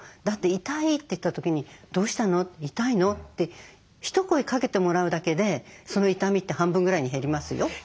だって痛いって言った時に「どうしたの？痛いの？」って一声かけてもらうだけでその痛みって半分ぐらいに減りますよ。